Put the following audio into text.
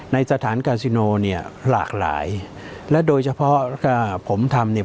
ในสถานกาซิโนเนี่ยหลากหลายและโดยเฉพาะอ่าผมทำเนี่ย